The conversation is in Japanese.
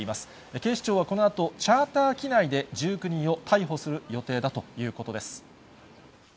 警視庁はこのあと、チャーター機内で１９人を逮捕する予定だということです。